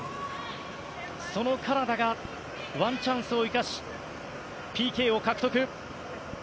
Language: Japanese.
そのカナダがワンチャンスを生かしＰＫを獲得。